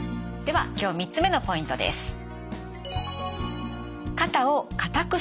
では今日３つ目のポイントです。